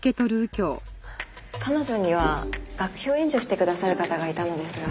彼女には学費を援助してくださる方がいたのですが。